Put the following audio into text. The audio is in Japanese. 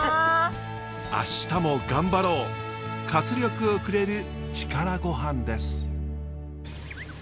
明日も頑張ろう活力をくれる力ごはんです。